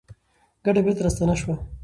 ګټه بېرته راستانه شوه.